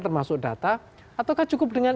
termasuk data ataukah cukup dengan